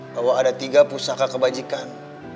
bahwa ada tiga pusaka kebajikan